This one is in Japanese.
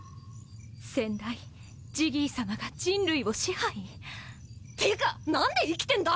先代ジギーさまが人類を支配？ってか何で生きてんだ？